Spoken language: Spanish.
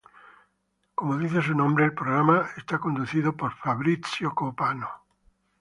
Como dice su nombre el programa es conducido por Fabrizio Copano.